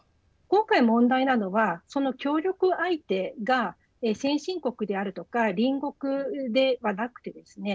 今回問題なのはその協力相手が先進国であるとか隣国ではなくてですね